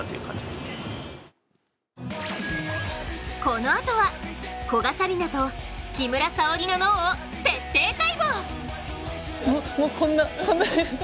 このあとは古賀紗理那と木村沙織の脳を徹底解剖。